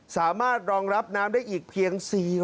สามารถรองรับน้ำได้อีกเพียง